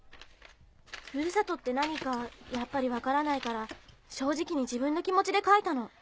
ふるさとって何かやっぱり分からないから正直に自分の気持ちで書いたの。